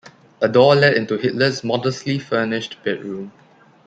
A door led into Hitler's modestly furnished bedroom.